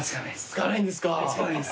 使わないんですか。